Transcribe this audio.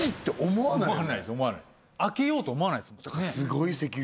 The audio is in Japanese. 思わないです開けようと思わないですもん